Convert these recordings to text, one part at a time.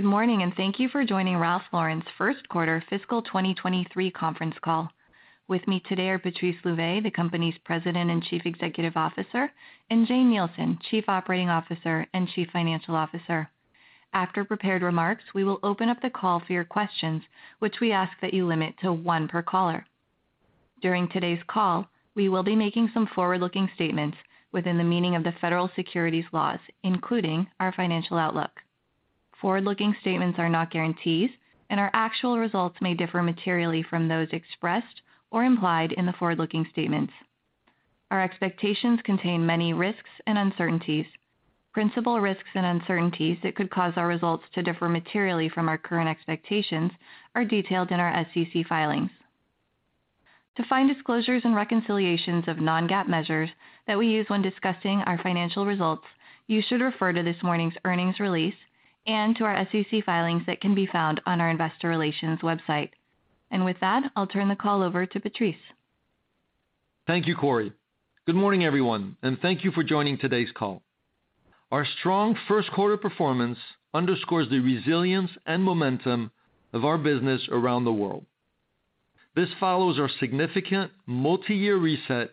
Good morning, and thank you for joining Ralph Lauren's First Quarter Fiscal 2023 Conference Call. With me today are Patrice Louvet, the company's President and Chief Executive Officer, and Jane Nielsen, Chief Operating Officer and Chief Financial Officer. After prepared remarks, we will open up the call for your questions, which we ask that you limit to one per caller. During today's call, we will be making some forward-looking statements within the meaning of the federal securities laws, including our financial outlook. Forward-looking statements are not guarantees, and our actual results may differ materially from those expressed or implied in the forward-looking statements. Our expectations contain many risks and uncertainties. Principal risks and uncertainties that could cause our results to differ materially from our current expectations are detailed in our SEC filings. To find disclosures and reconciliations of non-GAAP measures that we use when discussing our financial results, you should refer to this morning's earnings release and to our SEC filings that can be found on our investor relations website. With that, I'll turn the call over to Patrice. Thank you, Corey. Good morning, everyone, and thank you for joining today's call. Our strong first quarter performance underscores the resilience and momentum of our business around the world. This follows our significant multi-year reset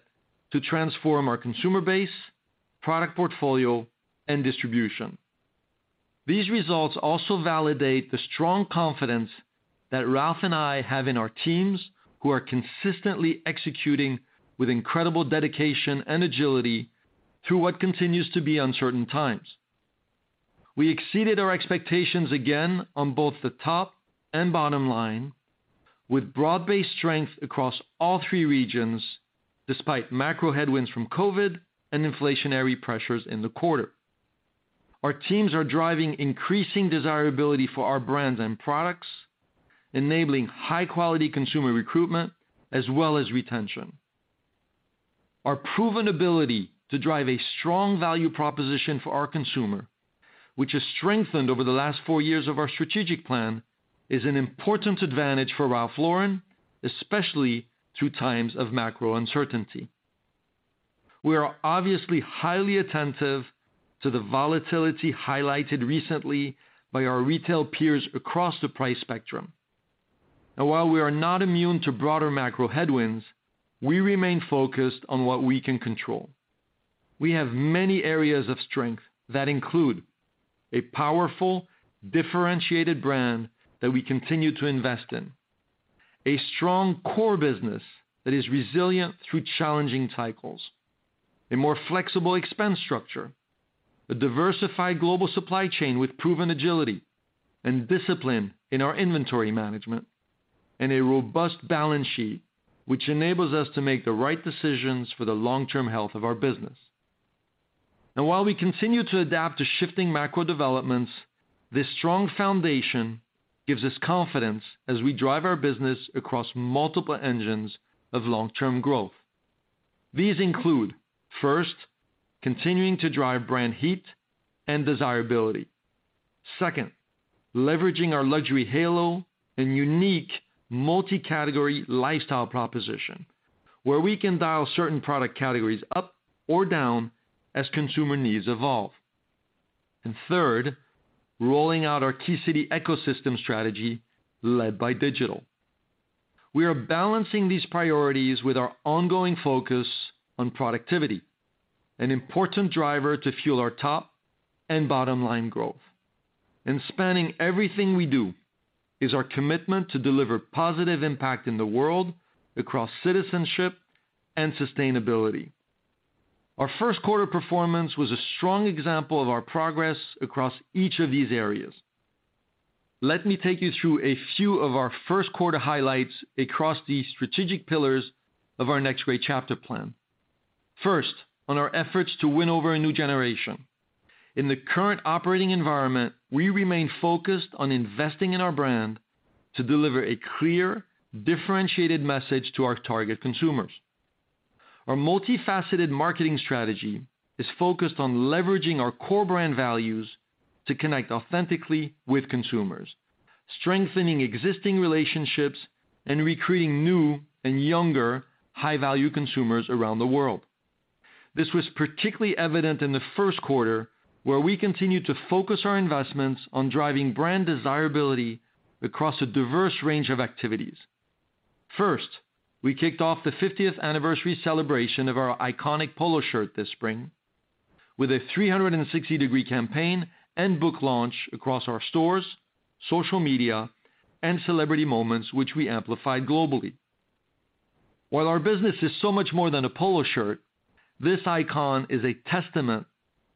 to transform our consumer base, product portfolio, and distribution. These results also validate the strong confidence that Ralph and I have in our teams who are consistently executing with incredible dedication and agility through what continues to be uncertain times. We exceeded our expectations again on both the top and bottom line with broad-based strength across all three regions despite macro headwinds from COVID and inflationary pressures in the quarter. Our teams are driving increasing desirability for our brands and products, enabling high-quality consumer recruitment as well as retention. Our proven ability to drive a strong value proposition for our consumer, which has strengthened over the last four years of our strategic plan, is an important advantage for Ralph Lauren, especially through times of macro uncertainty. We are obviously highly attentive to the volatility highlighted recently by our retail peers across the price spectrum. While we are not immune to broader macro headwinds, we remain focused on what we can control. We have many areas of strength that include a powerful, differentiated brand that we continue to invest in, a strong core business that is resilient through challenging cycles, a more flexible expense structure, a diversified global supply chain with proven agility and discipline in our inventory management, and a robust balance sheet which enables us to make the right decisions for the long-term health of our business. While we continue to adapt to shifting macro developments, this strong foundation gives us confidence as we drive our business across multiple engines of long-term growth. These include, first, continuing to drive brand heat and desirability. Second, leveraging our luxury halo and unique multi-category lifestyle proposition, where we can dial certain product categories up or down as consumer needs evolve. Third, rolling out our key city ecosystem strategy led by digital. We are balancing these priorities with our ongoing focus on productivity, an important driver to fuel our top and bottom line growth. Spanning everything we do is our commitment to deliver positive impact in the world across citizenship and sustainability. Our first quarter performance was a strong example of our progress across each of these areas. Let me take you through a few of our first quarter highlights across the strategic pillars of our next great chapter plan. First, on our efforts to win over a new generation. In the current operating environment, we remain focused on investing in our brand to deliver a clear, differentiated message to our target consumers. Our multifaceted marketing strategy is focused on leveraging our core brand values to connect authentically with consumers, strengthening existing relationships and recruiting new and younger high-value consumers around the world. This was particularly evident in the first quarter, where we continued to focus our investments on driving brand desirability across a diverse range of activities. First, we kicked off the 50th-anniversary celebration of our iconic polo shirt this spring with a 360-degree campaign and book launch across our stores, social media, and celebrity moments, which we amplified globally. While our business is so much more than a polo shirt, this icon is a testament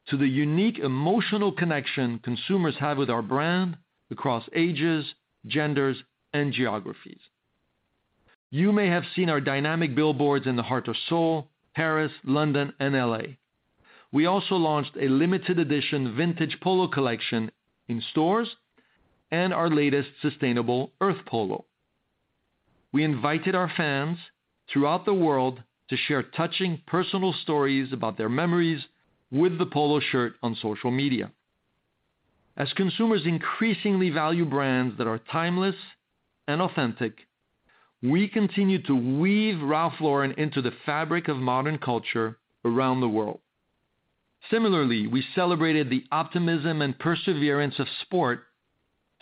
to the unique emotional connection consumers have with our brand across ages, genders, and geographies. You may have seen our dynamic billboards in the heart of Seoul, Paris, London, and L.A. We also launched a limited edition vintage polo collection in stores and our latest sustainable Earth Polo. We invited our fans throughout the world to share touching personal stories about their memories with the polo shirt on social media. As consumers increasingly value brands that are timeless and authentic. We continue to weave Ralph Lauren into the fabric of modern culture around the world. Similarly, we celebrated the optimism and perseverance of sport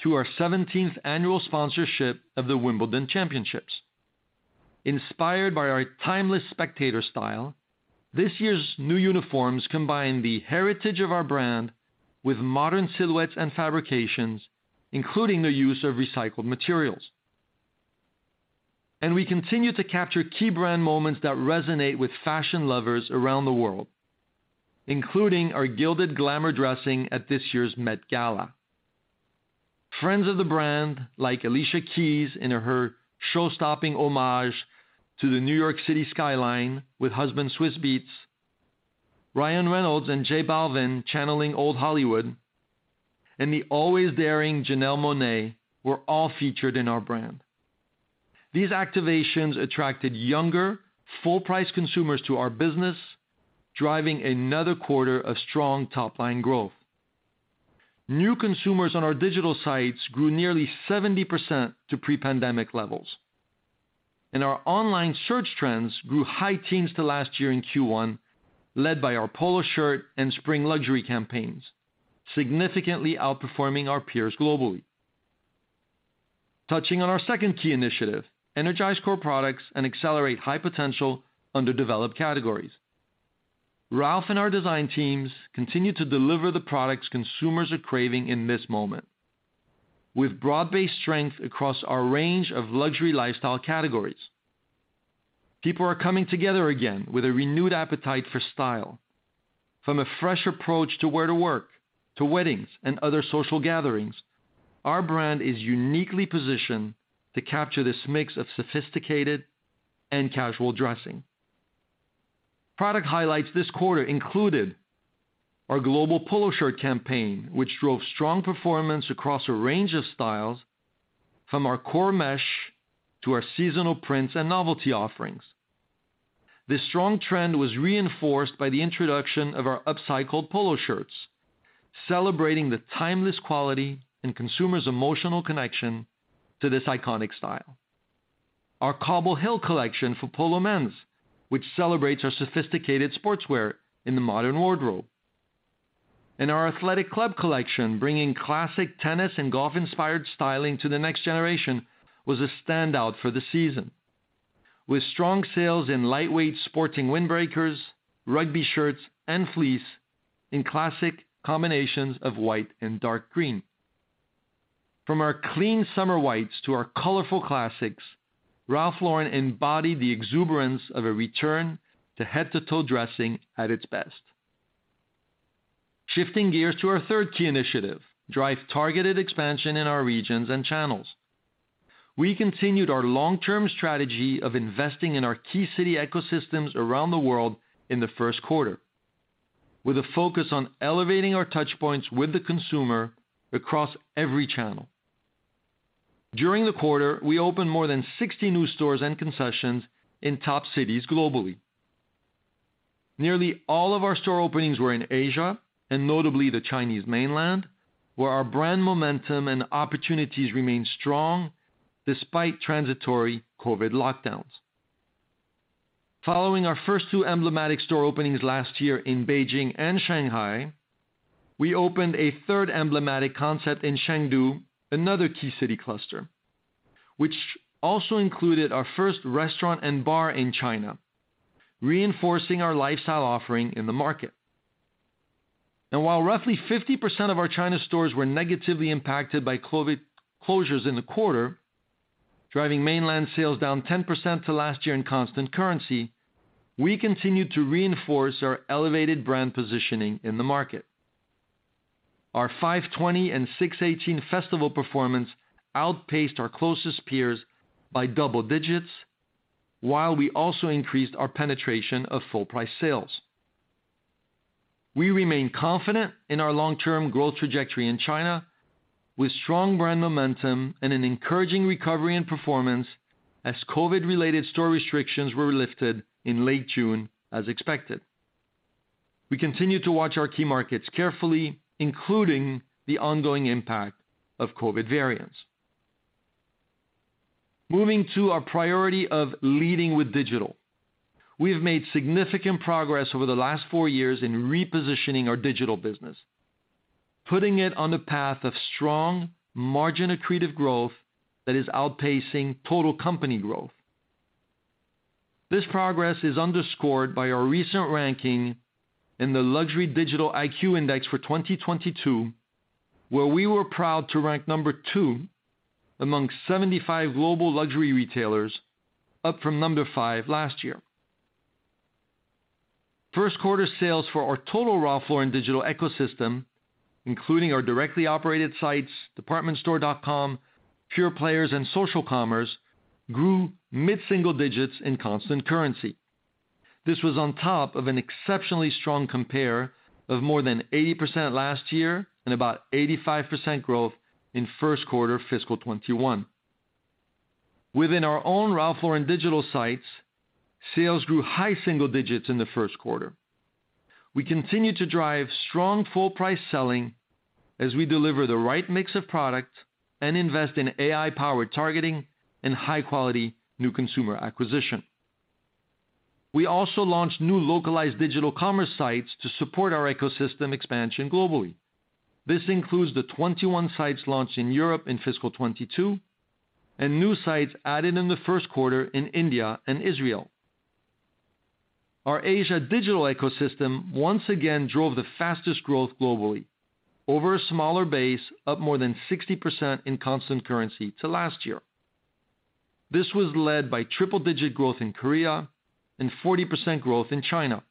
through our seventeenth annual sponsorship of the Wimbledon Championships. Inspired by our timeless spectator style, this year's new uniforms combine the heritage of our brand with modern silhouettes and fabrications, including the use of recycled materials. We continue to capture key brand moments that resonate with fashion lovers around the world, including our gilded glamour dressing at this year's Met Gala. Friends of the brand like Alicia Keys in her show-stopping homage to the New York City skyline with husband Swizz Beatz, Ryan Reynolds and J. Balvin channeling old Hollywood, and the always daring Janelle Monáe were all featured in our brand. These activations attracted younger, full-price consumers to our business, driving another quarter of strong top-line growth. New consumers on our digital sites grew nearly 70% to pre-pandemic levels, and our online search trends grew high teens% to last year in Q1, led by our Polo shirt and spring luxury campaigns, significantly outperforming our peers globally. Touching on our second key initiative, energize core products and accelerate high-potential underdeveloped categories. Ralph and our design teams continue to deliver the products consumers are craving in this moment. With broad-based strength across our range of luxury lifestyle categories, people are coming together again with a renewed appetite for style. From a fresh approach to where to work, to weddings and other social gatherings, our brand is uniquely positioned to capture this mix of sophisticated and casual dressing. Product highlights this quarter included our global polo shirt campaign, which drove strong performance across a range of styles from our core mesh to our seasonal prints and novelty offerings. This strong trend was reinforced by the introduction of our upcycled polo shirts, celebrating the timeless quality and consumers' emotional connection to this iconic style. Our Cobble Hill collection for Polo Men's, which celebrates our sophisticated sportswear in the modern wardrobe. Our Athletic Club collection, bringing classic tennis and golf-inspired styling to the next generation, was a standout for the season, with strong sales in lightweight sporting windbreakers, rugby shirts, and fleece in classic combinations of white and dark green. From our clean summer whites to our colorful classics, Ralph Lauren embodied the exuberance of a return to head-to-toe dressing at its best. Shifting gears to our third key initiative, drive targeted expansion in our regions and channels. We continued our long-term strategy of investing in our key city ecosystems around the world in the first quarter, with a focus on elevating our touchpoints with the consumer across every channel. During the quarter, we opened more than 60 new stores and concessions in top cities globally. Nearly all of our store openings were in Asia, and notably the Chinese mainland, where our brand momentum and opportunities remain strong despite transitory COVID lockdowns. Following our first two emblematic store openings last year in Beijing and Shanghai, we opened a third emblematic concept in Chengdu, another key city cluster, which also included our first restaurant and bar in China, reinforcing our lifestyle offering in the market. While roughly 50% of our China stores were negatively impacted by COVID closures in the quarter, driving mainland sales down 10% to last year in constant currency, we continued to reinforce our elevated brand positioning in the market. Our 520 and 618 festival performance outpaced our closest peers by double digits, while we also increased our penetration of full price sales. We remain confident in our long-term growth trajectory in China with strong brand momentum and an encouraging recovery and performance as COVID-related store restrictions were lifted in late June as expected. We continue to watch our key markets carefully, including the ongoing impact of COVID variants. Moving to our priority of leading with digital. We have made significant progress over the last four years in repositioning our digital business, putting it on the path of strong margin accretive growth that is outpacing total company growth. This progress is underscored by our recent ranking in the Gartner Digital IQ Index for 2022, where we were proud to rank number two among 75 global luxury retailers, up from number five last year. First quarter sales for our total Ralph Lauren digital ecosystem, including our directly operated sites, department store.com, pure players and social commerce, grew mid-single digits in constant currency. This was on top of an exceptionally strong compare of more than 80% last year and about 85% growth in first quarter fiscal 2021. Within our own Ralph Lauren digital sites, sales grew high single digits in the first quarter. We continue to drive strong full price selling as we deliver the right mix of product and invest in AI-powered targeting and high-quality new consumer acquisition. We also launched new localized digital commerce sites to support our ecosystem expansion globally. This includes the 21 sites launched in Europe in fiscal 2022, and new sites added in the first quarter in India and Israel. Our Asia digital ecosystem once again drove the fastest growth globally over a smaller base, up more than 60% in constant currency to last year. This was led by triple-digit growth in Korea and 40% growth in China,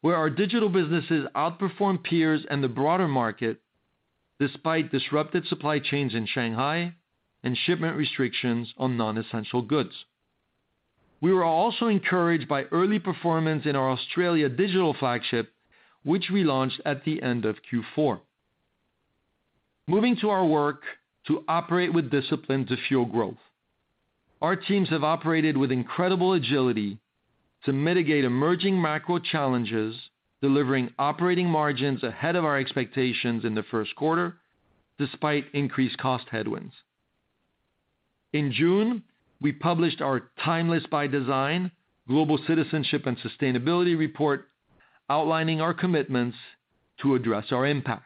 where our digital businesses outperformed peers and the broader market despite disrupted supply chains in Shanghai and shipment restrictions on non-essential goods. We were also encouraged by early performance in our Australia digital flagship, which we launched at the end of Q4. Moving to our work to operate with discipline to fuel growth. Our teams have operated with incredible agility to mitigate emerging macro challenges, delivering operating margins ahead of our expectations in the first quarter despite increased cost headwinds. In June, we published our Timeless by Design Global Citizenship and Sustainability Report, outlining our commitments to address our impact.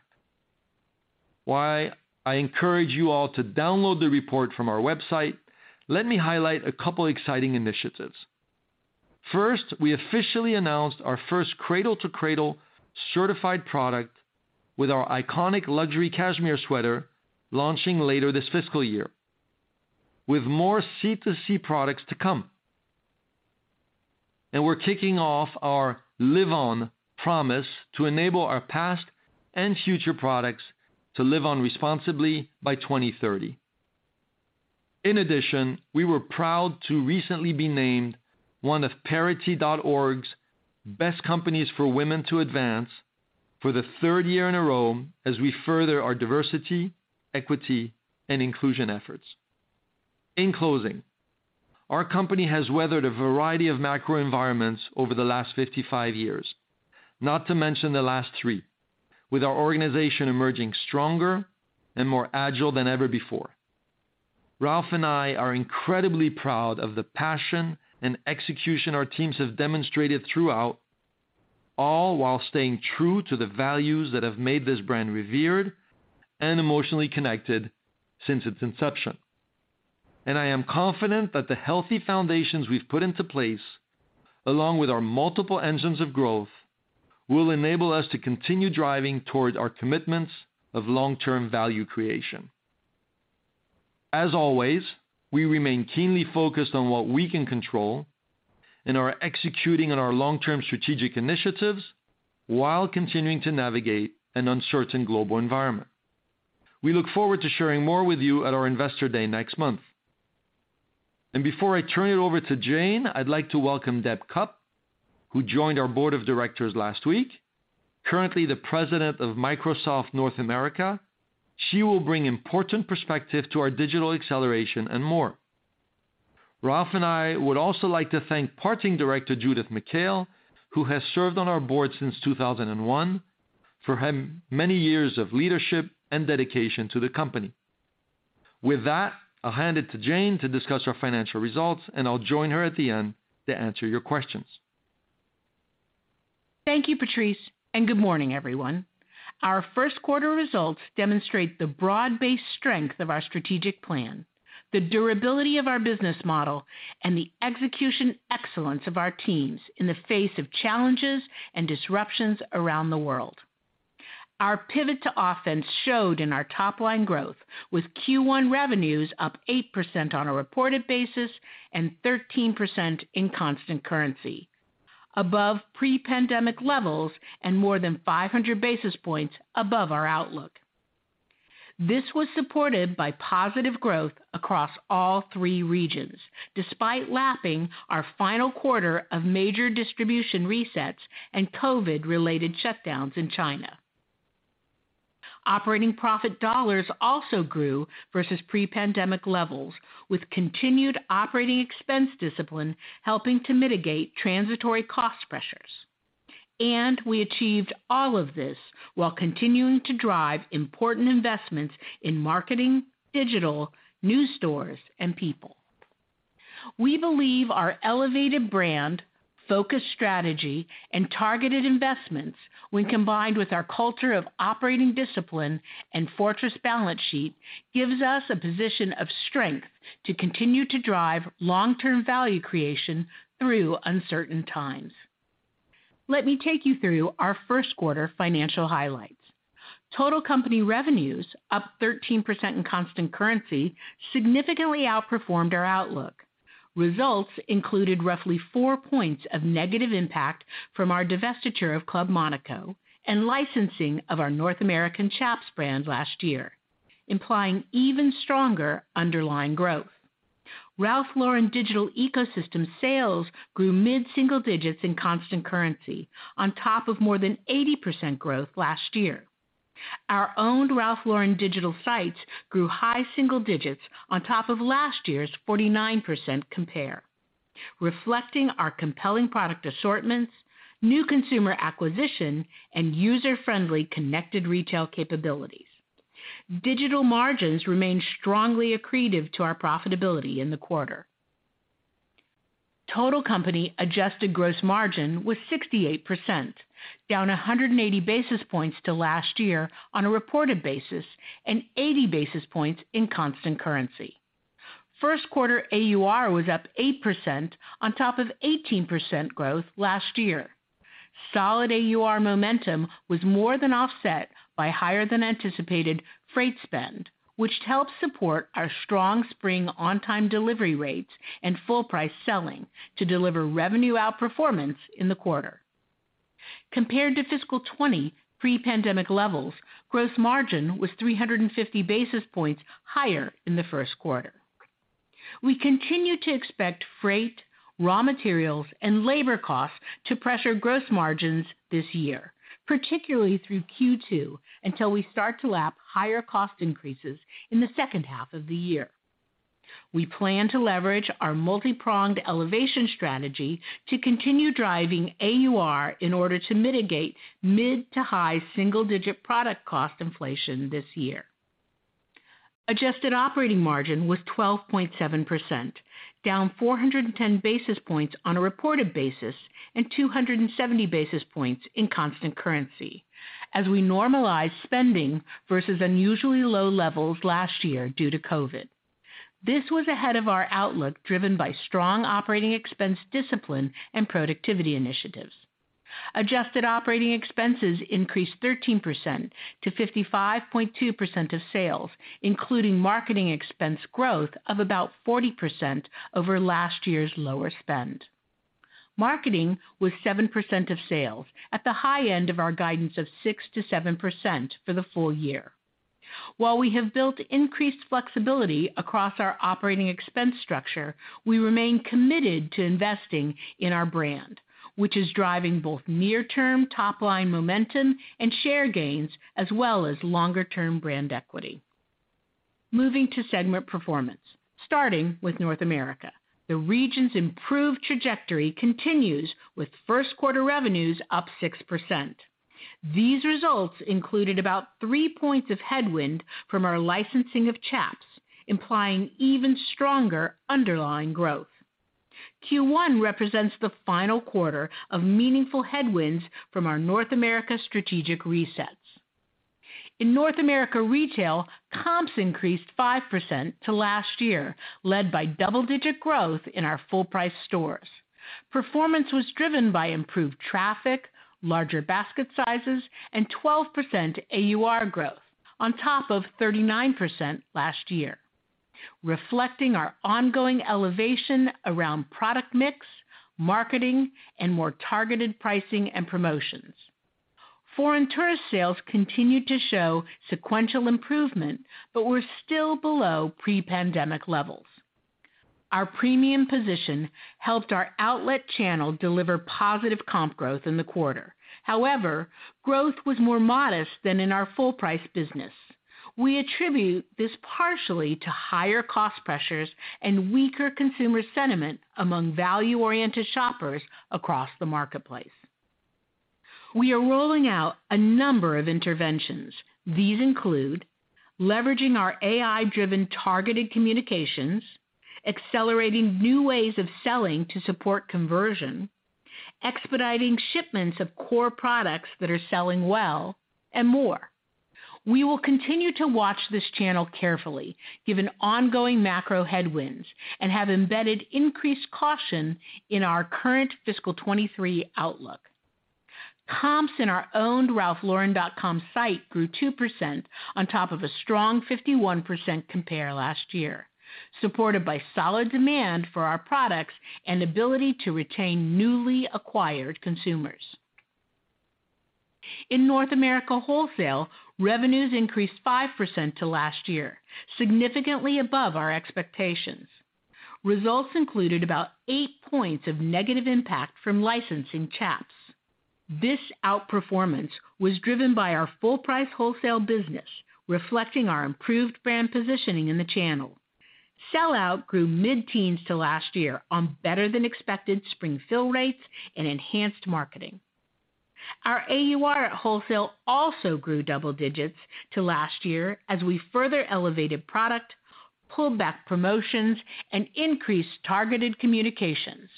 While I encourage you all to download the report from our website, let me highlight a couple exciting initiatives. First, we officially announced our first Cradle to Cradle Certified product with our iconic luxury cashmere sweater launching later this fiscal year with more C2C products to come. We're kicking off our Live On promise to enable our past and future products to live on responsibly by 2030. In addition, we were proud to recently be named one of Parity.org's best companies for women to advance for the third year in a row as we further our diversity, equity, and inclusion efforts. In closing, our company has weathered a variety of macro environments over the last 55 years, not to mention the last three, with our organization emerging stronger and more agile than ever before. Ralph and I are incredibly proud of the passion and execution our teams have demonstrated throughout, all while staying true to the values that have made this brand revered and emotionally connected since its inception. I am confident that the healthy foundations we've put into place, along with our multiple engines of growth, will enable us to continue driving towards our commitments of long-term value creation. As always, we remain keenly focused on what we can control and are executing on our long-term strategic initiatives while continuing to navigate an uncertain global environment. We look forward to sharing more with you at our Investor Day next month. Before I turn it over to Jane, I'd like to welcome Deb Cupp, who joined our board of directors last week. Currently the President of Microsoft North America, she will bring important perspective to our digital acceleration and more. Ralph and I would also like to thank parting director Judith McHale, who has served on our board since 2001 for her many years of leadership and dedication to the company. With that, I'll hand it to Jane to discuss our financial results, and I'll join her at the end to answer your questions. Thank you, Patrice, and good morning, everyone. Our first quarter results demonstrate the broad-based strength of our strategic plan, the durability of our business model, and the execution excellence of our teams in the face of challenges and disruptions around the world. Our pivot to offense showed in our top-line growth with Q1 revenues up 8% on a reported basis and 13% in constant currency, above pre-pandemic levels and more than 500 basis points above our outlook. This was supported by positive growth across all three regions, despite lapping our final quarter of major distribution resets and COVID-related shutdowns in China. Operating profit dollars also grew versus pre-pandemic levels, with continued operating expense discipline helping to mitigate transitory cost pressures. We achieved all of this while continuing to drive important investments in marketing, digital, new stores, and people. We believe our elevated brand, focused strategy, and targeted investments, when combined with our culture of operating discipline and fortress balance sheet, gives us a position of strength to continue to drive long-term value creation through uncertain times. Let me take you through our first quarter financial highlights. Total company revenues, up 13% in constant currency, significantly outperformed our outlook. Results included roughly 4 points of negative impact from our divestiture of Club Monaco and licensing of our North American Chaps brand last year, implying even stronger underlying growth. Ralph Lauren digital ecosystem sales grew mid-single digits in constant currency on top of more than 80% growth last year. Our owned Ralph Lauren digital sites grew high single digits on top of last year's 49% compare, reflecting our compelling product assortments, new consumer acquisition, and user-friendly connected retail capabilities. Digital margins remained strongly accretive to our profitability in the quarter. Total company adjusted gross margin was 68%, down 180 basis points to last year on a reported basis, and 80 basis points in constant currency. First quarter AUR was up 8% on top of 18% growth last year. Solid AUR momentum was more than offset by higher than anticipated freight spend, which helped support our strong spring on-time delivery rates and full price selling to deliver revenue outperformance in the quarter. Compared to fiscal 2020 pre-pandemic levels, gross margin was 350 basis points higher in the first quarter. We continue to expect freight, raw materials, and labor costs to pressure gross margins this year, particularly through Q2, until we start to lap higher cost increases in the second half of the year. We plan to leverage our multi-pronged elevation strategy to continue driving AUR in order to mitigate mid to high single-digit product cost inflation this year. Adjusted operating margin was 12.7%, down 410 basis points on a reported basis and 270 basis points in constant currency as we normalize spending versus unusually low levels last year due to COVID. This was ahead of our outlook, driven by strong operating expense discipline and productivity initiatives. Adjusted operating expenses increased 13% to 55.2% of sales, including marketing expense growth of about 40% over last year's lower spend. Marketing was 7% of sales, at the high end of our guidance of 6%-7% for the full year. While we have built increased flexibility across our operating expense structure, we remain committed to investing in our brand, which is driving both near-term top-line momentum and share gains as well as longer-term brand equity. Moving to segment performance, starting with North America. The region's improved trajectory continues with first quarter revenues up 6%. These results included about 3 points of headwind from our licensing of Chaps, implying even stronger underlying growth. Q1 represents the final quarter of meaningful headwinds from our North America strategic resets. In North America Retail, comps increased 5% to last year, led by double-digit growth in our full price stores. Performance was driven by improved traffic, larger basket sizes, and 12% AUR growth on top of 39% last year, reflecting our ongoing elevation around product mix, marketing, and more targeted pricing and promotions. Foreign tourist sales continued to show sequential improvement, but were still below pre-pandemic levels. Our premium position helped our outlet channel deliver positive comp growth in the quarter. However, growth was more modest than in our full price business. We attribute this partially to higher cost pressures and weaker consumer sentiment among value-oriented shoppers across the marketplace. We are rolling out a number of interventions. These include leveraging our AI-driven targeted communications, accelerating new ways of selling to support conversion, expediting shipments of core products that are selling well, and more. We will continue to watch this channel carefully, given ongoing macro headwinds, and have embedded increased caution in our current fiscal 2023 outlook. Comps in our owned ralphlauren.com site grew 2% on top of a strong 51% compare last year, supported by solid demand for our products and ability to retain newly acquired consumers. In North America Wholesale, revenues increased 5% to last year, significantly above our expectations. Results included about eight points of negative impact from licensing Chaps. This outperformance was driven by our full price wholesale business, reflecting our improved brand positioning in the channel. Sell-out grew mid-teens to last year on better than expected spring fill rates and enhanced marketing. Our AUR at wholesale also grew double digits to last year as we further elevated product, pulled back promotions, and increased targeted communications.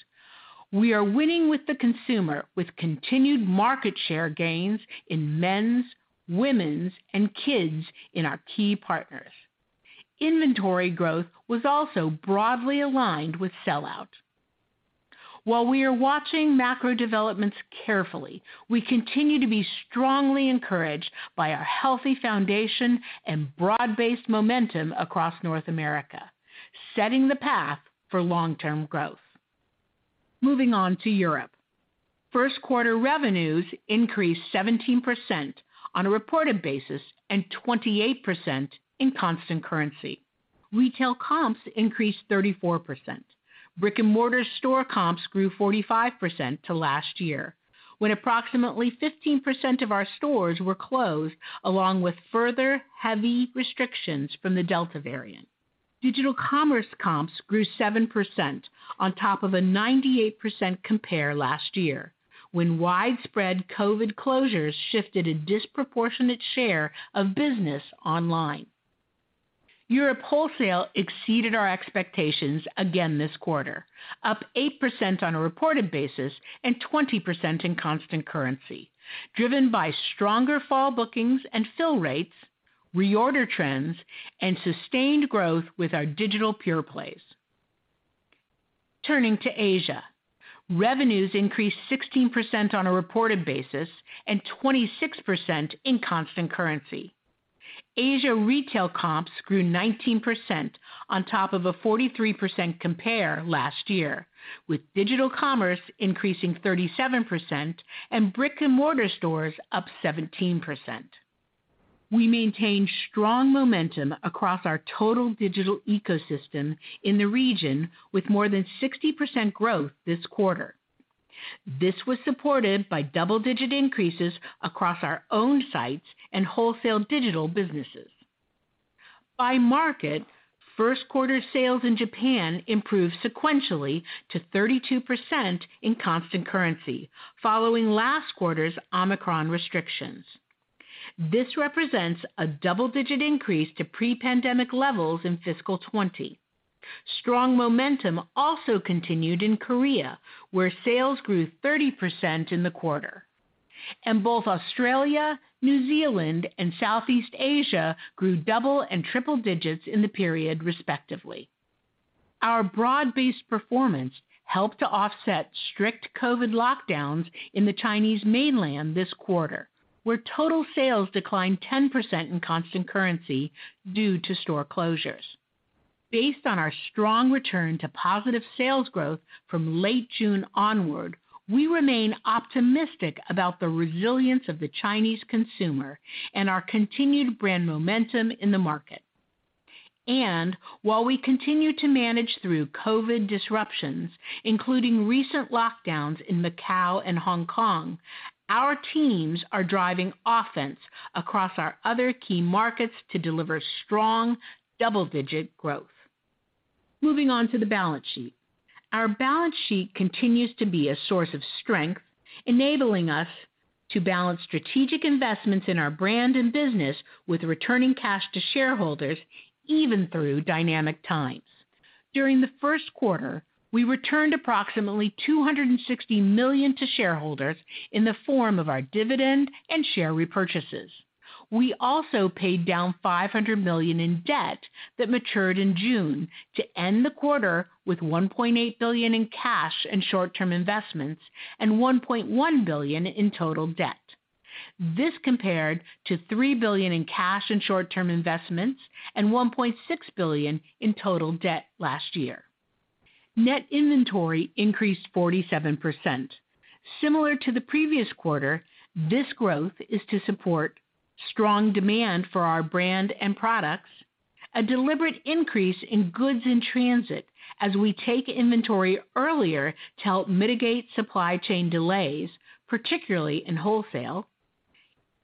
We are winning with the consumer with continued market share gains in men's, women's, and kids in our key partners. Inventory growth was also broadly aligned with sell-out. While we are watching macro developments carefully, we continue to be strongly encouraged by our healthy foundation and broad-based momentum across North America, setting the path for long-term growth. Moving on to Europe. First quarter revenues increased 17% on a reported basis and 28% in constant currency. Retail comps increased 34%. Brick-and-mortar store comps grew 45% to last year, when approximately 15% of our stores were closed along with further heavy restrictions from the Delta variant. Digital commerce comps grew 7% on top of a 98% compare last year, when widespread COVID closures shifted a disproportionate share of business online. Europe wholesale exceeded our expectations again this quarter, up 8% on a reported basis and 20% in constant currency, driven by stronger fall bookings and fill rates, reorder trends, and sustained growth with our digital pureplays. Turning to Asia, revenues increased 16% on a reported basis and 26% in constant currency. Asia retail comps grew 19% on top of a 43% compare last year, with digital commerce increasing 37% and brick-and-mortar stores up 17%. We maintained strong momentum across our total digital ecosystem in the region with more than 60% growth this quarter. This was supported by double-digit increases across our own sites and wholesale digital businesses. By market, first quarter sales in Japan improved sequentially to 32% in constant currency following last quarter's Omicron restrictions. This represents a double-digit increase to pre-pandemic levels in fiscal 2020. Strong momentum also continued in Korea, where sales grew 30% in the quarter. Both Australia, New Zealand, and Southeast Asia grew double and triple digits in the period respectively. Our broad-based performance helped to offset strict COVID lockdowns in the Chinese mainland this quarter, where total sales declined 10% in constant currency due to store closures. Based on our strong return to positive sales growth from late June onward, we remain optimistic about the resilience of the Chinese consumer and our continued brand momentum in the market. While we continue to manage through COVID disruptions, including recent lockdowns in Macau and Hong Kong, our teams are driving offense across our other key markets to deliver strong double-digit growth. Moving on to the balance sheet. Our balance sheet continues to be a source of strength, enabling us to balance strategic investments in our brand and business with returning cash to shareholders even through dynamic times. During the first quarter, we returned approximately $260 million to shareholders in the form of our dividend and share repurchases. We also paid down $500 million in debt that matured in June to end the quarter with $1.8 billion in cash and short-term investments and $1.1 billion in total debt. This compared to $3 billion in cash and short-term investments and $1.6 billion in total debt last year. Net inventory increased 47%. Similar to the previous quarter, this growth is to support strong demand for our brand and products, a deliberate increase in goods in transit as we take inventory earlier to help mitigate supply chain delays, particularly in wholesale,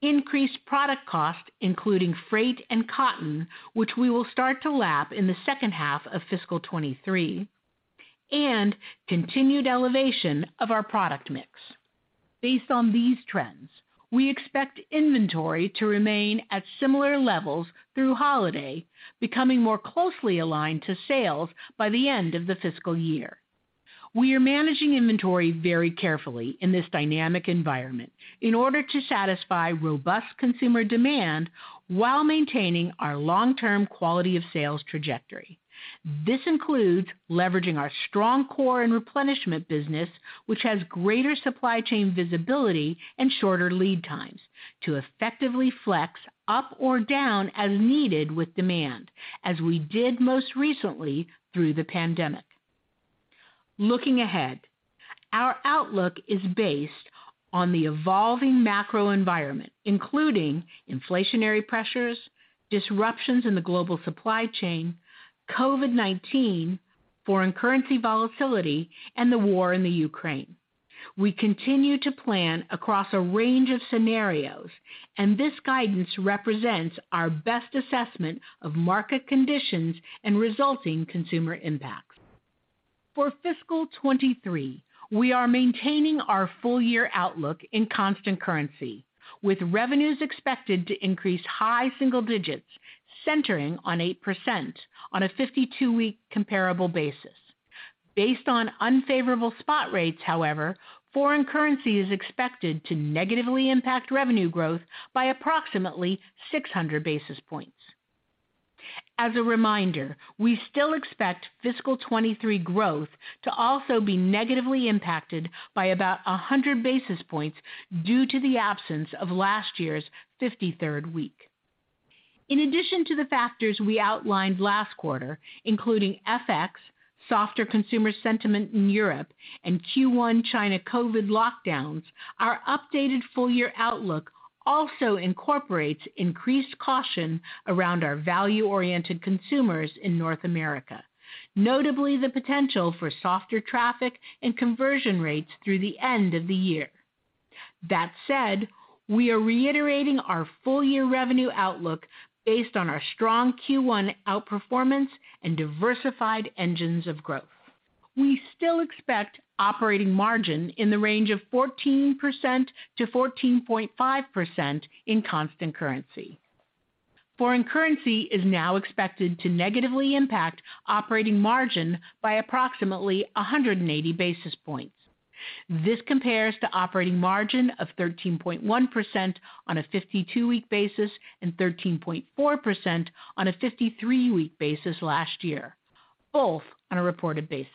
increased product cost, including freight and cotton, which we will start to lap in the second half of fiscal 2023, and continued elevation of our product mix. Based on these trends, we expect inventory to remain at similar levels through holiday, becoming more closely aligned to sales by the end of the fiscal year. We are managing inventory very carefully in this dynamic environment in order to satisfy robust consumer demand while maintaining our long-term quality of sales trajectory. This includes leveraging our strong core and replenishment business, which has greater supply chain visibility and shorter lead times to effectively flex up or down as needed with demand, as we did most recently through the pandemic. Looking ahead, our outlook is based on the evolving macro environment, including inflationary pressures, disruptions in the global supply chain, COVID-19, foreign currency volatility, and the war in Ukraine. We continue to plan across a range of scenarios, and this guidance represents our best assessment of market conditions and resulting consumer impacts. For fiscal 2023, we are maintaining our full-year outlook in constant currency, with revenues expected to increase high single digits, centering on 8% on a 52-week comparable basis. Based on unfavorable spot rates, however, foreign currency is expected to negatively impact revenue growth by approximately 600 basis points. As a reminder, we still expect fiscal 2023 growth to also be negatively impacted by about 100 basis points due to the absence of last year's 53rd week. In addition to the factors we outlined last quarter, including FX, softer consumer sentiment in Europe and Q1 China COVID lockdowns, our updated full-year outlook also incorporates increased caution around our value-oriented consumers in North America, notably the potential for softer traffic and conversion rates through the end of the year. That said, we are reiterating our full-year revenue outlook based on our strong Q1 outperformance and diversified engines of growth. We still expect operating margin in the range of 14%-14.5% in constant currency. Foreign currency is now expected to negatively impact operating margin by approximately 180 basis points. This compares to operating margin of 13.1% on a 52-week basis, and 13.4% on a 52-week basis last year, both on a reported basis.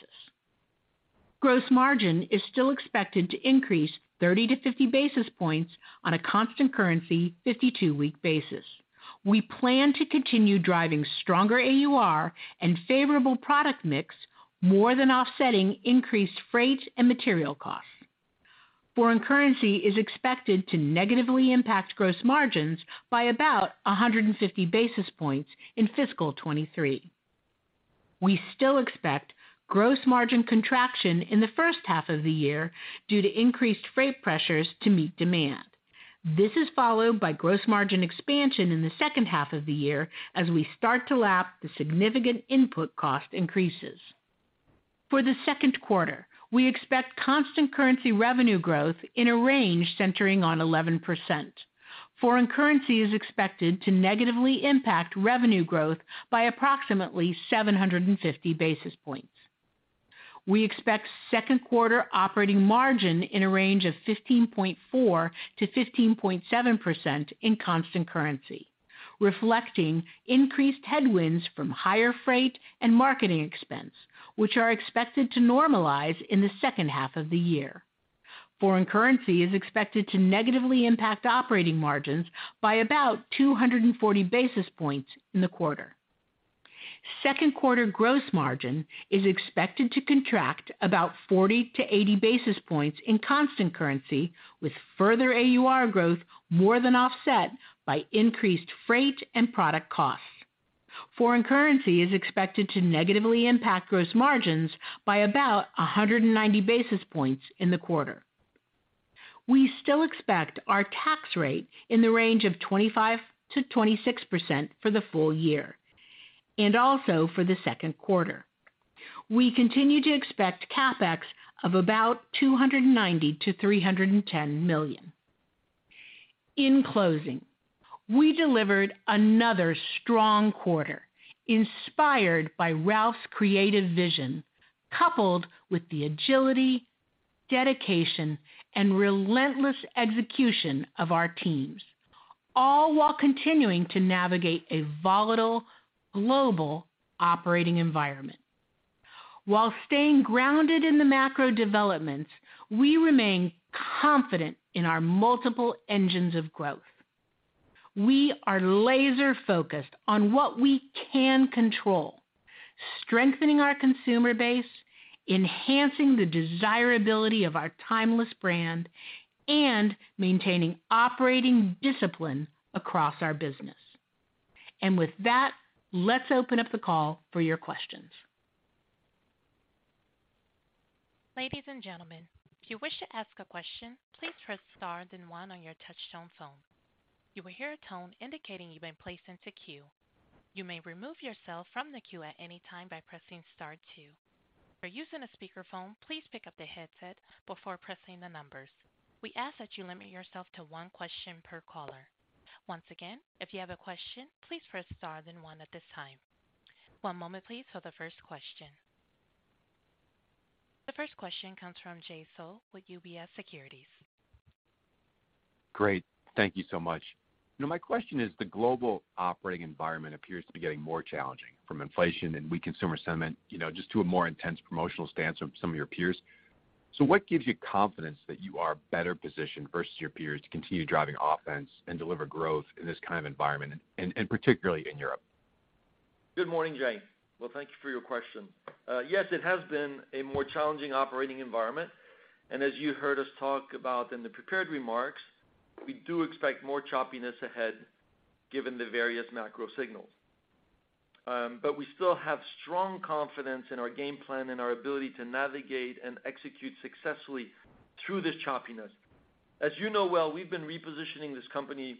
Gross margin is still expected to increase 30-50 basis points on a constant currency, 52-week basis. We plan to continue driving stronger AUR and favorable product mix, more than offsetting increased freight and material costs. Foreign currency is expected to negatively impact gross margins by about 150 basis points in fiscal 2023. We still expect gross margin contraction in the first half of the year due to increased freight pressures to meet demand. This is followed by gross margin expansion in the second half of the year as we start to lap the significant input cost increases. For the second quarter, we expect constant currency revenue growth in a range centering on 11%. Foreign currency is expected to negatively impact revenue growth by approximately 750 basis points. We expect second quarter operating margin in a range of 15.4%-15.7% in constant currency, reflecting increased headwinds from higher freight and marketing expense, which are expected to normalize in the second half of the year. Foreign currency is expected to negatively impact operating margins by about 240 basis points in the quarter. Second quarter gross margin is expected to contract about 40-80 basis points in constant currency, with further AUR growth more than offset by increased freight and product costs. Foreign currency is expected to negatively impact gross margins by about 190 basis points in the quarter. We still expect our tax rate in the range of 25%-26% for the full year and also for the second quarter. We continue to expect CapEx of about $290 million-$310 million. In closing, we delivered another strong quarter inspired by Ralph's creative vision, coupled with the agility, dedication, and relentless execution of our teams, all while continuing to navigate a volatile global operating environment. While staying grounded in the macro developments, we remain confident in our multiple engines of growth. We are laser focused on what we can control, strengthening our consumer base, enhancing the desirability of our timeless brand, and maintaining operating discipline across our business. With that, let's open up the call for your questions. Ladies and gentlemen, if you wish to ask a question, please press star then one on your touchtone phone. You will hear a tone indicating you've been placed into queue. You may remove yourself from the queue at any time by pressing star two. If you're using a speakerphone, please pick up the headset before pressing the numbers. We ask that you limit yourself to one question per caller. Once again, if you have a question, please press star then one at this time. One moment please for the first question. The first question comes from Jay Sole with UBS Securities. Great. Thank you so much. My question is, the global operating environment appears to be getting more challenging from inflation and weak consumer sentiment, you know, just to a more intense promotional stance from some of your peers. What gives you confidence that you are better positioned versus your peers to continue driving offense and deliver growth in this kind of environment, and particularly in Europe? Good morning, Jay. Well, thank you for your question. Yes, it has been a more challenging operating environment. As you heard us talk about in the prepared remarks, we do expect more choppiness ahead given the various macro signals. But we still have strong confidence in our game plan and our ability to navigate and execute successfully through this choppiness. As you know well, we've been repositioning this company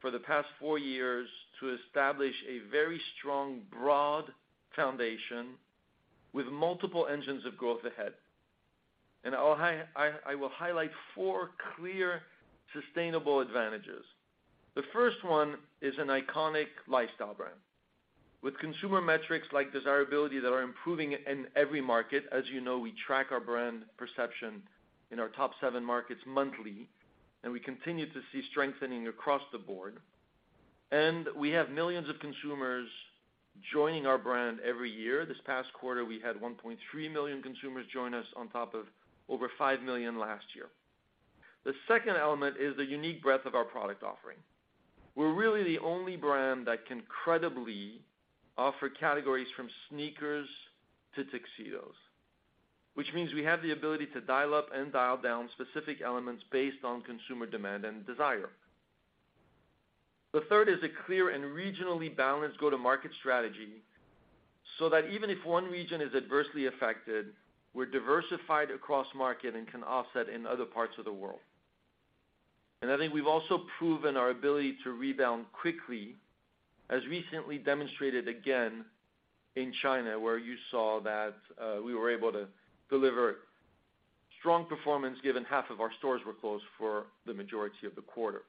for the past four years to establish a very strong, broad foundation with multiple engines of growth ahead. I will highlight four clear sustainable advantages. The first one is an iconic lifestyle brand with consumer metrics like desirability that are improving in every market. As you know, we track our brand perception in our top seven markets monthly, and we continue to see strengthening across the board. We have millions of consumers joining our brand every year. This past quarter, we had 1.3 million consumers join us on top of over 5 million last year. The second element is the unique breadth of our product offering. We're really the only brand that can credibly offer categories from sneakers to tuxedos, which means we have the ability to dial up and dial down specific elements based on consumer demand and desire. The third is a clear and regionally balanced go-to-market strategy so that even if one region is adversely affected, we're diversified across market and can offset in other parts of the world. I think we've also proven our ability to rebound quickly, as recently demonstrated again in China, where you saw that, we were able to deliver strong performance given half of our stores were closed for the majority of the quarter.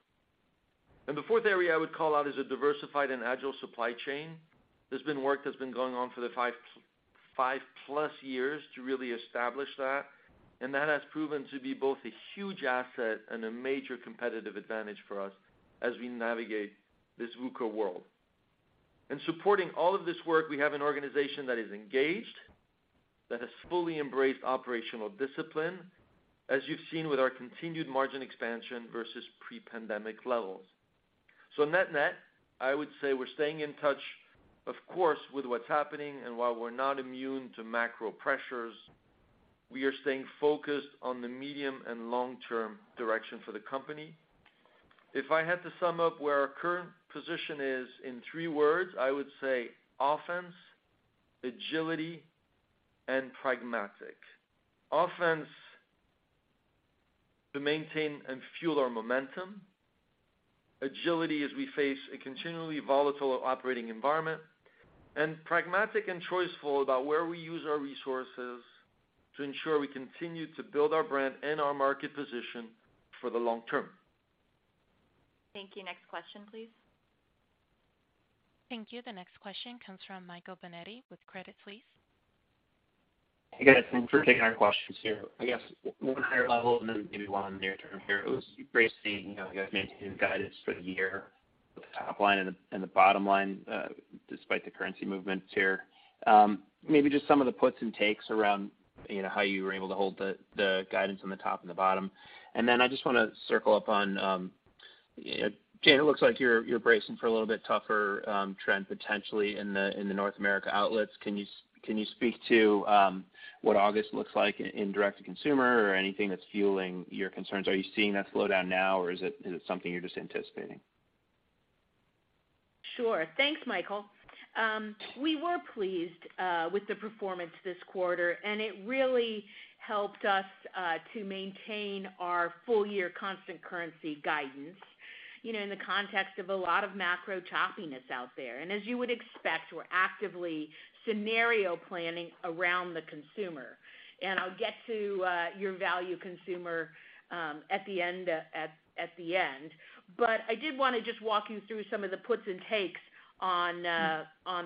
The fourth area I would call out is a diversified and agile supply chain. There's been work that's been going on for the five-plus years to really establish that, and that has proven to be both a huge asset and a major competitive advantage for us as we navigate this VUCA world. In supporting all of this work, we have an organization that is engaged, that has fully embraced operational discipline, as you've seen with our continued margin expansion versus pre-pandemic levels. Net-net, I would say we're staying in touch, of course, with what's happening, and while we're not immune to macro pressures, we are staying focused on the medium and long-term direction for the company. If I had to sum up where our current position is in three words, I would say offense, agility, and pragmatic. Offense to maintain and fuel our momentum. Agility as we face a continually volatile operating environment, and pragmatic and choiceful about where we use our resources to ensure we continue to build our brand and our market position for the long term. Thank you. Next question, please. Thank you. The next question comes from Michael Binetti with Credit Suisse. Hey, guys. Thanks for taking our questions here. I guess one higher level and then maybe one near-term here. It was great seeing, you know, you guys maintain guidance for the year with the top line and the bottom line despite the currency movements here. Maybe just some of the puts and takes around, you know, how you were able to hold the guidance on the top and the bottom. I just wanna circle up on Jane. It looks like you're bracing for a little bit tougher trend potentially in the North America outlets. Can you speak to what August looks like in direct-to-consumer or anything that's fueling your concerns? Are you seeing that slowdown now, or is it something you're just anticipating? Sure. Thanks, Michael. We were pleased with the performance this quarter, and it really helped us to maintain our full year constant currency guidance, you know, in the context of a lot of macro choppiness out there. As you would expect, we're actively scenario planning around the consumer. I'll get to your value consumer at the end. I did wanna just walk you through some of the puts and takes on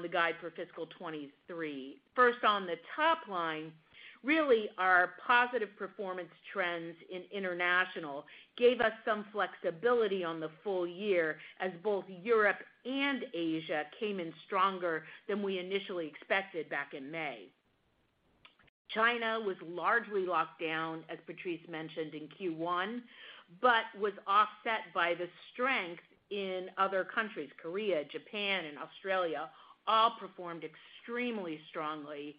the guide for fiscal 2023. First, on the top line, really our positive performance trends in international gave us some flexibility on the full year as both Europe and Asia came in stronger than we initially expected back in May. China was largely locked down, as Patrice mentioned, in Q1, but was offset by the strength in other countries. Korea, Japan and Australia all performed extremely strongly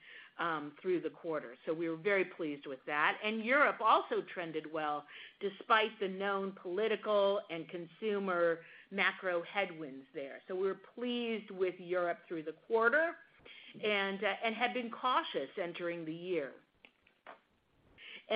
through the quarter. We were very pleased with that. Europe also trended well despite the known political and consumer macro headwinds there. We were pleased with Europe through the quarter and had been cautious entering the year.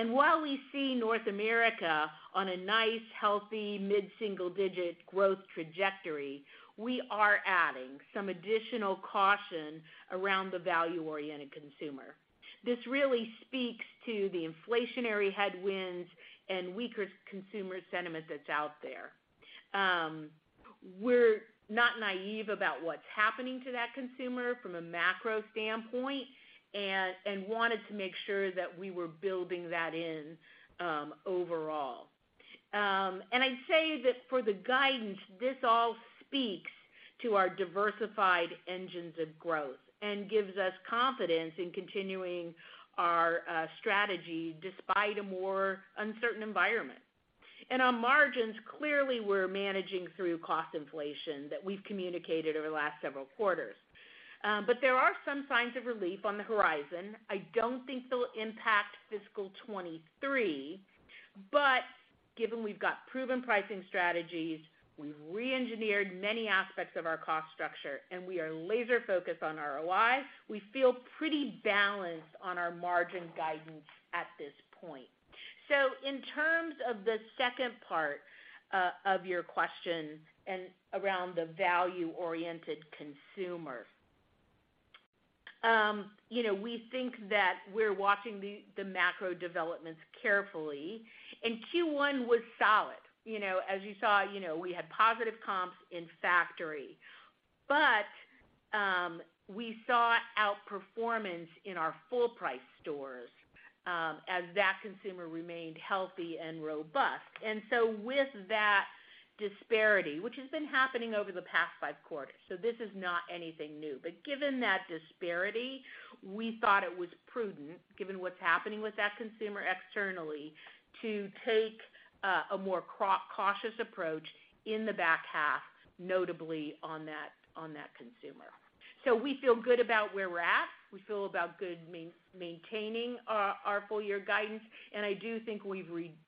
While we see North America on a nice, healthy mid-single-digit growth trajectory, we are adding some additional caution around the value-oriented consumer. This really speaks to the inflationary headwinds and weaker consumer sentiment that's out there. We're not naive about what's happening to that consumer from a macro standpoint and wanted to make sure that we were building that in overall. I'd say that for the guidance, this all speaks to our diversified engines of growth and gives us confidence in continuing our strategy despite a more uncertain environment. On margins, clearly we're managing through cost inflation that we've communicated over the last several quarters. But there are some signs of relief on the horizon. I don't think they'll impact fiscal 2023, but given we've got proven pricing strategies, we've reengineered many aspects of our cost structure, and we are laser focused on ROI, we feel pretty balanced on our margin guidance at this point. In terms of the second part of your question and around the value-oriented consumer, you know, we think that we're watching the macro developments carefully, and Q1 was solid. You know, as you saw, you know, we had positive comps in factory, but we saw outperformance in our full price stores, as that consumer remained healthy and robust. With that disparity, which has been happening over the past five quarters. This is not anything new. Given that disparity, we thought it was prudent, given what's happening with that consumer externally, to take a more cautious approach in the back half, notably on that consumer. We feel good about where we're at. We feel good about maintaining our full year guidance, and I do think we've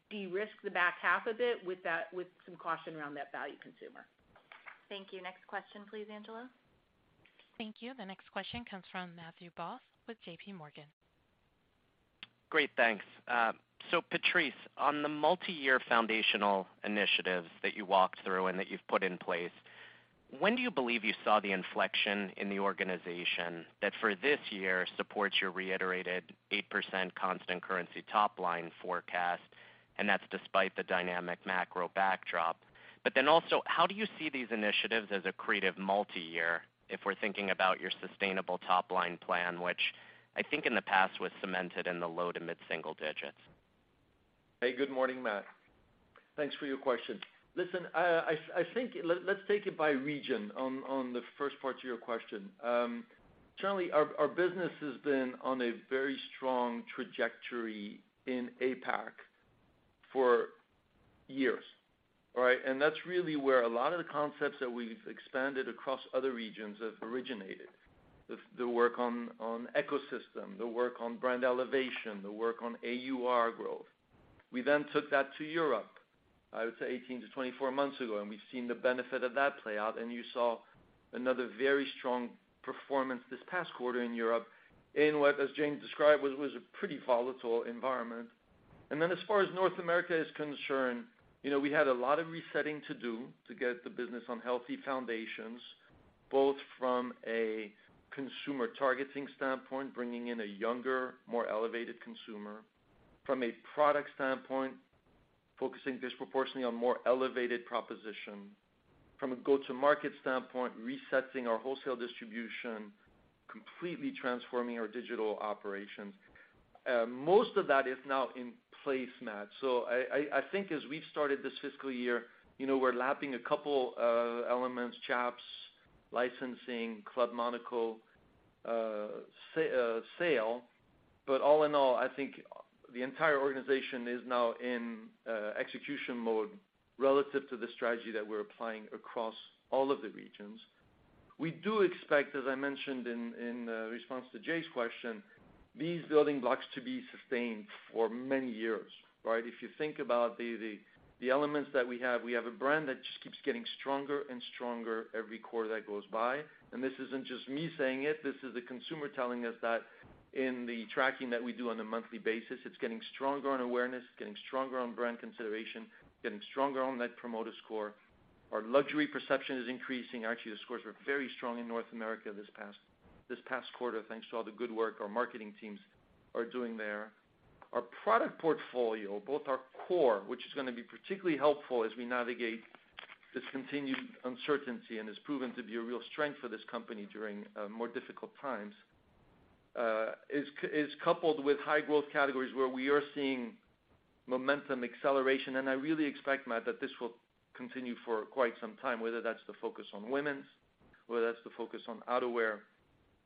de-risked the back half a bit with that, with some caution around that value consumer. Thank you. Next question, please, Angela. Thank you. The next question comes from Matthew Boss with JPMorgan. Great, thanks. Patrice, on the multi-year foundational initiatives that you walked through and that you've put in place, when do you believe you saw the inflection in the organization that for this year supports your reiterated 8% constant currency top-line forecast? That's despite the dynamic macro backdrop. Also, how do you see these initiatives as accretive multi-year if we're thinking about your sustainable top-line plan, which I think in the past was cemented in the low- to mid-single-digit? Hey, good morning, Matt. Thanks for your question. Listen, I think let's take it by region on the first part to your question. Generally, our business has been on a very strong trajectory in APAC for years, all right? That's really where a lot of the concepts that we've expanded across other regions have originated. The work on ecosystem, the work on brand elevation, the work on AUR growth. We then took that to Europe, I would say 18-24 months ago, and we've seen the benefit of that play out. You saw another very strong performance this past quarter in Europe in what, as Jane described, was a pretty volatile environment. As far as North America is concerned, you know, we had a lot of resetting to do to get the business on healthy foundations, both from a consumer targeting standpoint, bringing in a younger, more elevated consumer. From a product standpoint, focusing disproportionately on more elevated proposition. From a go-to-market standpoint, resetting our wholesale distribution, completely transforming our digital operations. Most of that is now in place, Matthew. I think as we've started this fiscal year, you know, we're lapping a couple of elements, Chaps, licensing, Club Monaco, sale. But all in all, I think the entire organization is now in execution mode relative to the strategy that we're applying across all of the regions. We do expect, as I mentioned in response to Jay's question, these building blocks to be sustained for many years, right? If you think about the elements that we have, we have a brand that just keeps getting stronger and stronger every quarter that goes by. This isn't just me saying it, this is the consumer telling us that in the tracking that we do on a monthly basis, it's getting stronger on awareness, getting stronger on brand consideration, getting stronger on net promoter score. Our luxury perception is increasing. Actually, the scores were very strong in North America this past quarter, thanks to all the good work our marketing teams are doing there. Our product portfolio, both our core, which is gonna be particularly helpful as we navigate this continued uncertainty and has proven to be a real strength for this company during more difficult times, is coupled with high growth categories where we are seeing momentum acceleration. I really expect, Matt, that this will continue for quite some time, whether that's the focus on women's, whether that's the focus on outerwear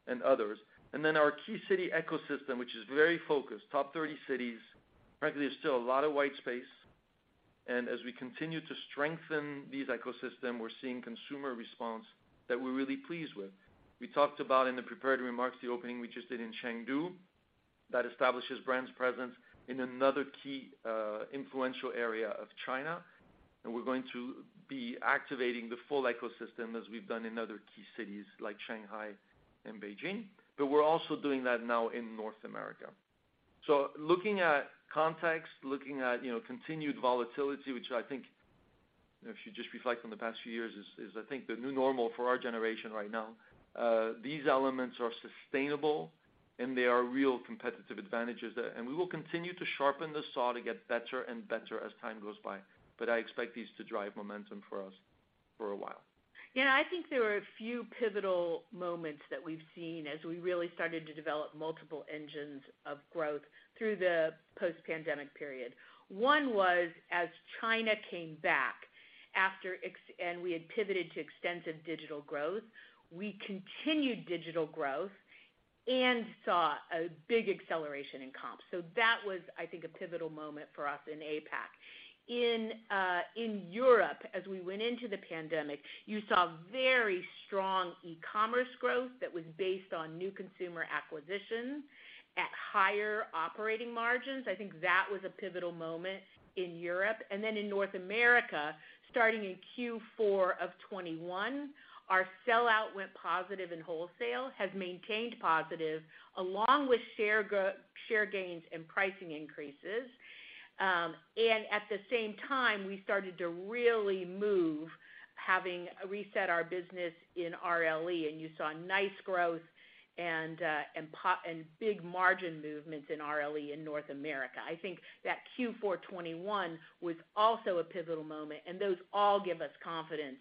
and others. Our key city ecosystem, which is very focused, top 30 cities. Frankly, there's still a lot of white space. As we continue to strengthen these ecosystem, we're seeing consumer response that we're really pleased with. We talked about in the prepared remarks the opening we just did in Chengdu that establishes brand's presence in another key, influential area of China. We're going to be activating the full ecosystem as we've done in other key cities like Shanghai and Beijing. We're also doing that now in North America. Looking at context, looking at, you know, continued volatility, which I think, you know, if you just reflect on the past few years, is I think the new normal for our generation right now. These elements are sustainable and they are real competitive advantages. We will continue to sharpen the saw to get better and better as time goes by. I expect these to drive momentum for us for a while. Yeah. I think there were a few pivotal moments that we've seen as we really started to develop multiple engines of growth through the post-pandemic period. One was as China came back after and we had pivoted to extensive digital growth, we continued digital growth and saw a big acceleration in comps. That was, I think, a pivotal moment for us in APAC. In Europe, as we went into the pandemic, you saw very strong e-commerce growth that was based on new consumer acquisitions at higher operating margins. I think that was a pivotal moment in Europe. In North America, starting in Q4 of 2021, our sellout went positive in wholesale, has maintained positive along with share gains and pricing increases. At the same time, we started to really move, having reset our business in RLE, and you saw nice growth and big margin movements in RLE in North America. I think that Q4 2021 was also a pivotal moment, and those all give us confidence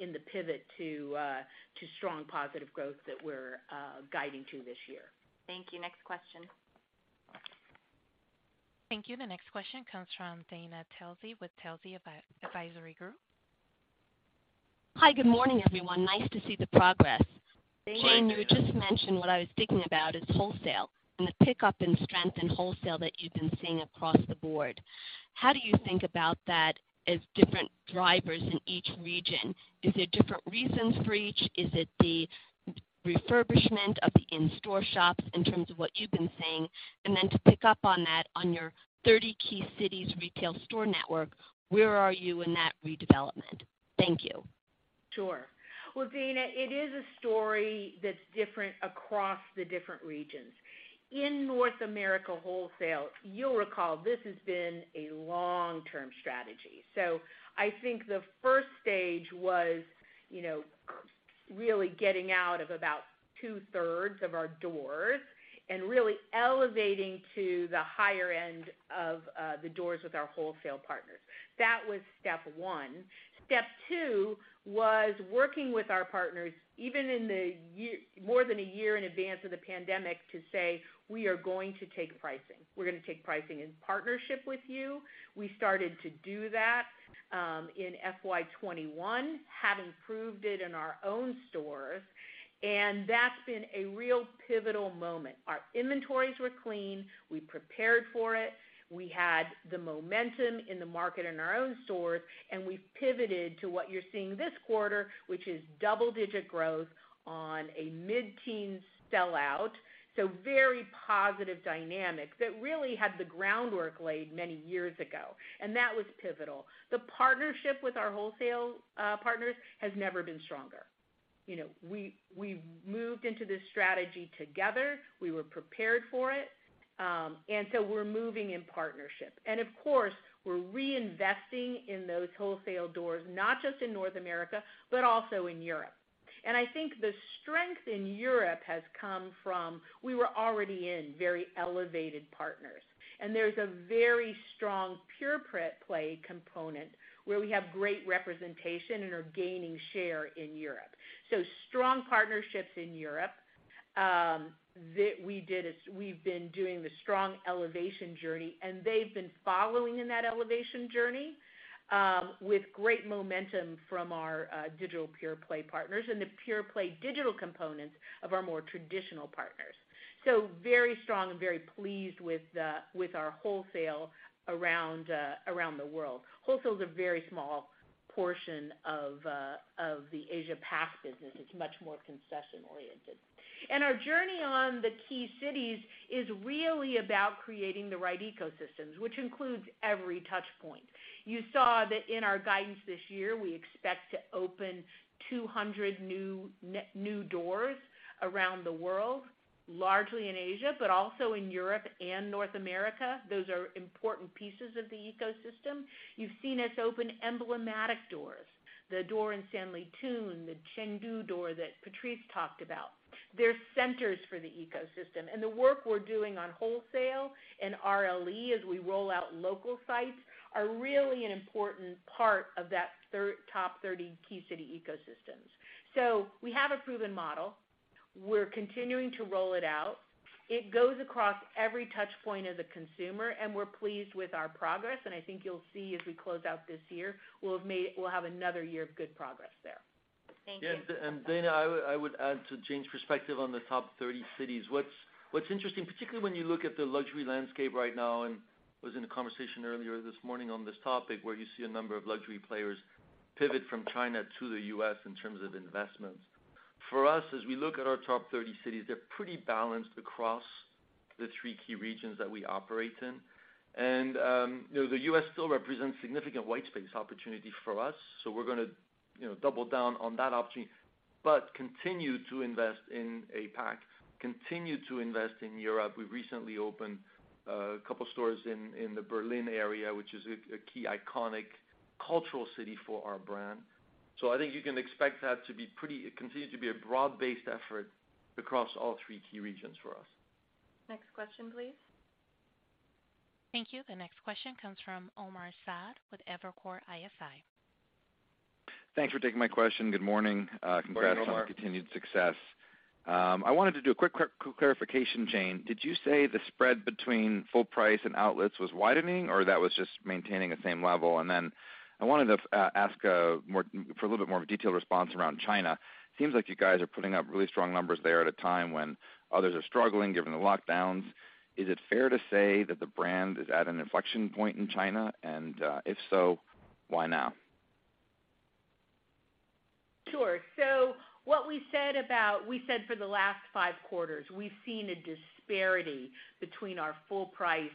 in the pivot to strong positive growth that we're guiding to this year. Thank you. Next question. Thank you. The next question comes from Dana Telsey with Telsey Advisory Group. Hi, good morning, everyone. Nice to see the progress. Thank you. Jane, you just mentioned what I was thinking about is wholesale and the pickup in strength in wholesale that you've been seeing across the board. How do you think about that as different drivers in each region? Is there different reasons for each? Is it the refurbishment of the in-store shops in terms of what you've been saying? To pick up on that, on your 30 key cities retail store network, where are you in that redevelopment? Thank you. Sure. Well, Dana, it is a story that's different across the different regions. In North America wholesale, you'll recall this has been a long-term strategy. I think the first stage was, you know, really getting out of about 2/3 of our doors and really elevating to the higher end of the doors with our wholesale partners. That was step one. Step two was working with our partners, even in the year, more than a year in advance of the pandemic, to say, we are going to take pricing. We're gonna take pricing in partnership with you. We started to do that in FY 2021, having proved it in our own stores, and that's been a real pivotal moment. Our inventories were clean. We prepared for it. We had the momentum in the market in our own stores, and we pivoted to what you're seeing this quarter, which is double-digit growth on a mid-teen sellout. Very positive dynamics that really had the groundwork laid many years ago, and that was pivotal. The partnership with our wholesale partners has never been stronger. We moved into this strategy together. We were prepared for it. We're moving in partnership. Of course, we're reinvesting in those wholesale doors, not just in North America, but also in Europe. I think the strength in Europe has come from we were already in very elevated partners. There's a very strong pure-play component where we have great representation and are gaining share in Europe. Strong partnerships in Europe, we've been doing the strong elevation journey, and they've been following in that elevation journey, with great momentum from our digital pure play partners and the pure play digital components of our more traditional partners. Very strong and very pleased with our wholesale around the world. Wholesale is a very small portion of the Asia PAC business. It's much more concession-oriented. Our journey on the key cities is really about creating the right ecosystems, which includes every touch point. You saw that in our guidance this year, we expect to open 200 new doors around the world, largely in Asia, but also in Europe and North America. Those are important pieces of the ecosystem. You've seen us open emblematic doors. The store in Sanlitun, the Chengdu store that Patrice talked about. They're centers for the ecosystem. The work we're doing on wholesale and RLE as we roll out local sites are really an important part of that top 30 key city ecosystems. We have a proven model. We're continuing to roll it out. It goes across every touch point of the consumer, and we're pleased with our progress. I think you'll see as we close out this year, we'll have another year of good progress there. Thank you. Yes, Dana, I would add to Jane's perspective on the top 30 cities. What's interesting, particularly when you look at the luxury landscape right now, and I was in a conversation earlier this morning on this topic, where you see a number of luxury players pivot from China to the U.S. in terms of investments. For us, as we look at our top 30 cities, they're pretty balanced across the three key regions that we operate in. You know, the U.S. still represents significant white space opportunity for us, so we're gonna, you know, double down on that opportunity. Continue to invest in APAC, continue to invest in Europe. We recently opened a couple stores in the Berlin area, which is a key iconic cultural city for our brand. I think you can expect that to be pretty. continue to be a broad-based effort across all three key regions for us. Next question, please. Thank you. The next question comes from Omar Saad with Evercore ISI. Thanks for taking my question. Good morning. Good morning, Omar. Congrats on the continued success. I wanted to do a quick clarification, Jane. Did you say the spread between full price and outlets was widening, or that was just maintaining the same level? I wanted to ask for a little bit more of a detailed response around China. Seems like you guys are putting up really strong numbers there at a time when others are struggling, given the lockdowns. Is it fair to say that the brand is at an inflection point in China? If so, why now? Sure. We said for the last five quarters, we've seen a disparity between our full price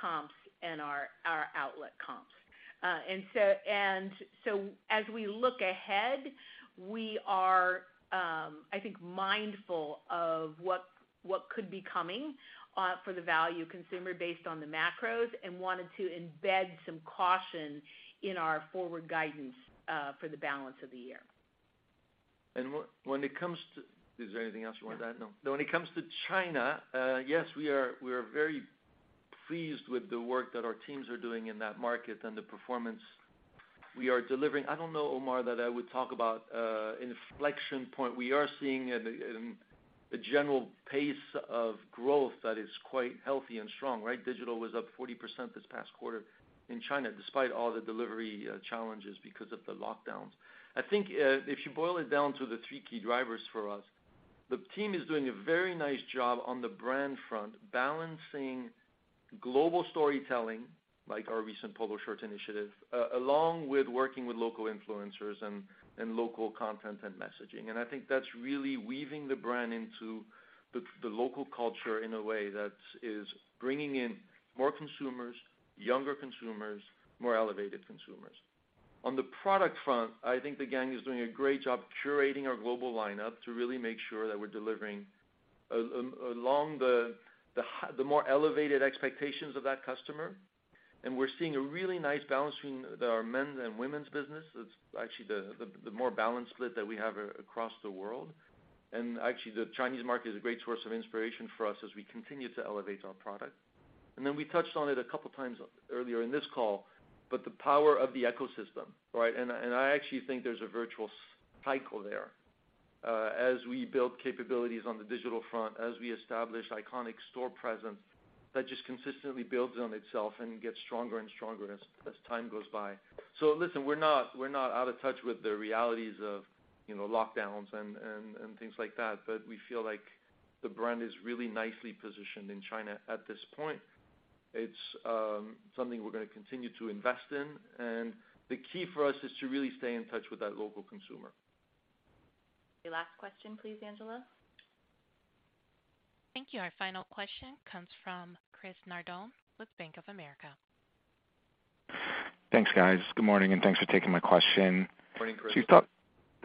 comps and our outlet comps. As we look ahead, we are I think mindful of what could be coming for the value consumer based on the macros and wanted to embed some caution in our forward guidance for the balance of the year. When it comes to... Is there anything else you want to add? No. No. When it comes to China, yes, we are very pleased with the work that our teams are doing in that market and the performance we are delivering. I don't know, Omar, that I would talk about an inflection point. We are seeing a general pace of growth that is quite healthy and strong, right? Digital was up 40% this past quarter in China, despite all the delivery challenges because of the lockdowns. I think, if you boil it down to the three key drivers for us, the team is doing a very nice job on the brand front, balancing global storytelling, like our recent Polo Sport initiative, along with working with local influencers and local content and messaging. I think that's really weaving the brand into the local culture in a way that is bringing in more consumers, younger consumers, more elevated consumers. On the product front, I think the gang is doing a great job curating our global lineup to really make sure that we're delivering along the more elevated expectations of that customer. We're seeing a really nice balance between our men's and women's business. It's actually the more balanced split that we have across the world. Actually, the Chinese market is a great source of inspiration for us as we continue to elevate our product. Then we touched on it a couple times earlier in this call, but the power of the ecosystem, right? I actually think there's a virtuous cycle there. As we build capabilities on the digital front, as we establish iconic store presence, that just consistently builds on itself and gets stronger and stronger as time goes by. Listen, we're not out of touch with the realities of, you know, lockdowns and things like that, but we feel like the brand is really nicely positioned in China at this point. It's something we're gonna continue to invest in, and the key for us is to really stay in touch with that local consumer. The last question, please, Angela. Thank you. Our final question comes from Chris Nardone with Bank of America. Thanks, guys. Good morning, and thanks for taking my question. Morning, Chris.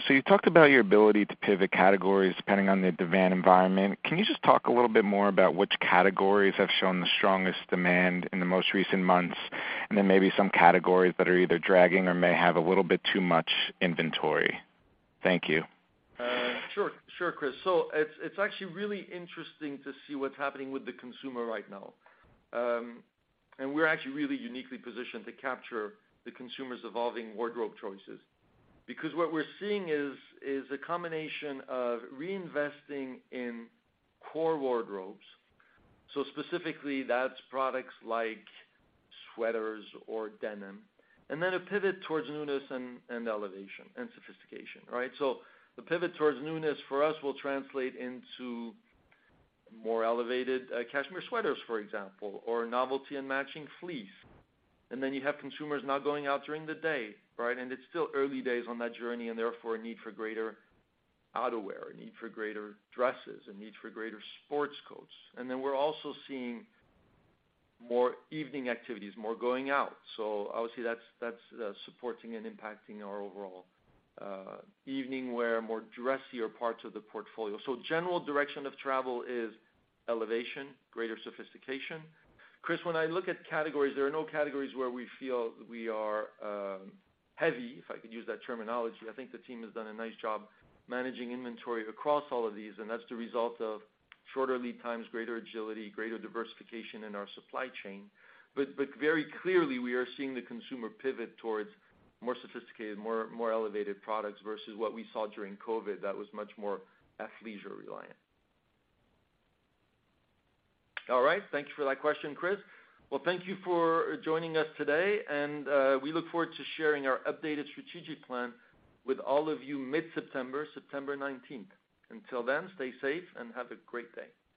You talked about your ability to pivot categories depending on the demand environment. Can you just talk a little bit more about which categories have shown the strongest demand in the most recent months, and then maybe some categories that are either dragging or may have a little bit too much inventory? Thank you. Sure, Chris. It's actually really interesting to see what's happening with the consumer right now. We're actually really uniquely positioned to capture the consumer's evolving wardrobe choices. Because what we're seeing is a combination of reinvesting in core wardrobes, so specifically that's products like sweaters or denim, and then a pivot towards newness and elevation and sophistication, right? The pivot towards newness for us will translate into more elevated, cashmere sweaters, for example, or novelty and matching fleece. And then you have consumers now going out during the day, right? And it's still early days on that journey and therefore a need for greater outerwear, a need for greater dresses, a need for greater sports coats. And then we're also seeing more evening activities, more going out. Obviously that's supporting and impacting our overall evening wear, more dressier parts of the portfolio. General direction of travel is elevation, greater sophistication. Chris, when I look at categories, there are no categories where we feel we are heavy, if I could use that terminology. I think the team has done a nice job managing inventory across all of these, and that's the result of shorter lead times, greater agility, greater diversification in our supply chain. Very clearly we are seeing the consumer pivot towards more sophisticated, more elevated products versus what we saw during COVID that was much more athleisure reliant. All right. Thank you for that question, Chris. Well, thank you for joining us today and we look forward to sharing our updated strategic plan with all of you mid-September, September 19th. Until then, stay safe and have a great day.